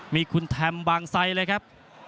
มีคุณแทมบางไซเลยครับ